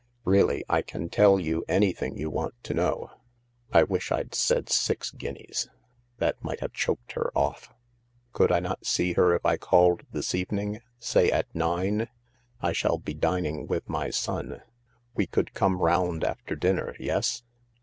Really, I can tell you anything you want to know. (I wish I'd said six guineas. That might have choked her off.)" M Could I not see her if I called this evening — say at nine? I shall be dining with my son. We could come round after dinner. Yes